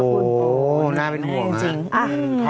โอ้น่าเป็นห่วงค่ะ